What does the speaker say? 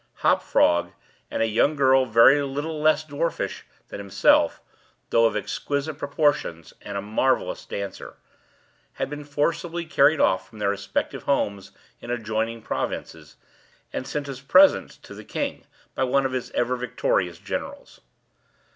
Hop Frog, and a young girl very little less dwarfish than himself (although of exquisite proportions, and a marvellous dancer), had been forcibly carried off from their respective homes in adjoining provinces, and sent as presents to the king, by one of his ever victorious generals.